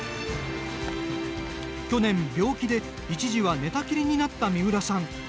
去年、病気で一時は寝たきりになった三浦さん。